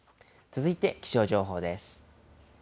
続いて気象情報です。